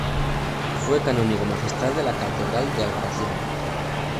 Fue canónigo magistral de la catedral de Albarracín.